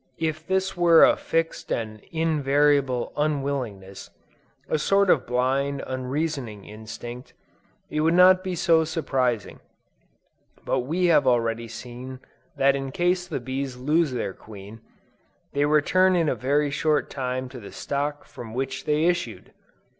If this were a fixed and invariable unwillingness, a sort of blind, unreasoning instinct, it would not be so surprising, but we have already seen that in case the bees lose their queen, they return in a very short time to the stock from which they issued!